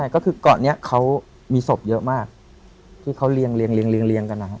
เขาอสบมาวางอะ